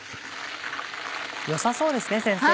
よさそうですね先生。